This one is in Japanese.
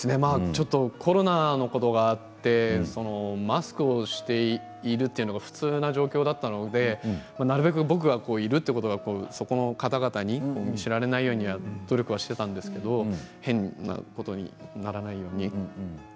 ちょっとコロナのことがあってマスクをしているというのが普通の状況だったのでなるべく僕がいるというのがそこの方々に知られないように努力はしていたんですけれど変なことにならないように。